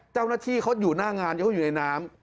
เจ้าหน้าที่เขาอยู่หน้างานเขาอยู่ในน้ำ